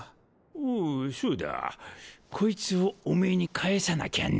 おぉそうだこいつをおめぇに返さなきゃな。